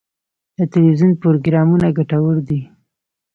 د تلویزیون پروګرامونه ګټور دي.